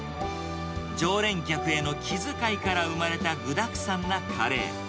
常連客への気遣いから生まれた具だくさんなカレー。